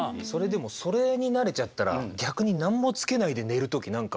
でもそれに慣れちゃったら逆に何もつけないで寝るとき何か。